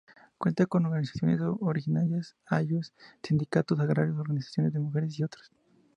Cuenta con organizaciones originarias, ayllus, sindicatos agrarios, organizaciones de mujeres y otros.